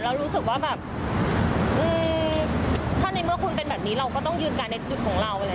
รู้สึกว่าแบบถ้าในเมื่อคุณเป็นแบบนี้เราก็ต้องยืนการในจุดของเรา